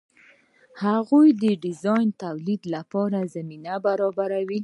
هغوی د ډیزاین د تولید لپاره زمینه برابروي.